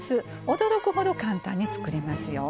驚くほど簡単に作れますよ。